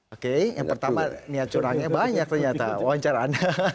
oke yang pertama niat curangnya banyak ternyata wawancara anda